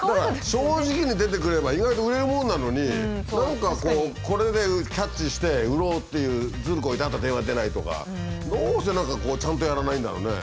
正直に出てくれば意外と売れるもんなのに何かこうこれでキャッチして売ろうっていうずるこいてあとは電話出ないとかどうして何かこうちゃんとやらないんだろうね。